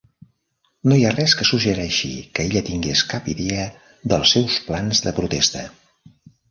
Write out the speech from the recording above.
No hi ha res que suggereixi que ella tingués cap idea dels seus plans de protesta.